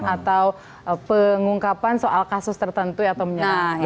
atau pengungkapan soal kasus tertentu atau menyerang